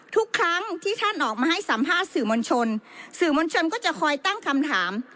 ทุกครั้งที่ท่านออกมาให้สัมภาษณ์สื่อมวลชนสื่อมวลชนก็จะคอยตั้งคำถาม